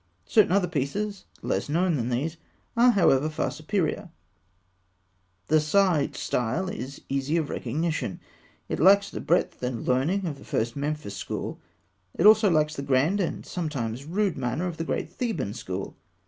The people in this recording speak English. Certain other pieces, less known than these, are however far superior. The Saïte style is easy of recognition. It lacks the breadth and learning of the first Memphite school; it also lacks the grand, and sometimes rude, manner of the great Theban school.